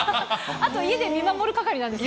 あと家で見守る係なんですよ